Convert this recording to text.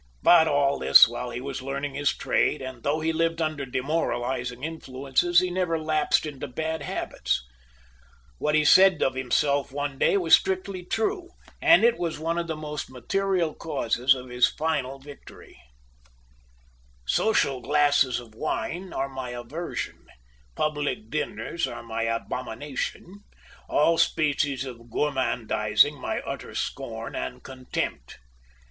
But all this while he was learning his trade, and though he lived under demoralizing influences, he never lapsed into bad habits. What he said of himself one day was strictly true, and it was one of the most material causes of his final victory: "Social glasses of wine are my aversion; public dinners are my abomination; all species of gormandizing, my utter scorn and contempt.